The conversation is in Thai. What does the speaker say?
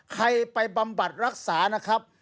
ใครไปบำบัดรักษานะครับ